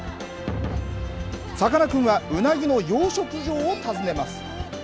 さかなクンはうなぎの養殖業を訪ねます。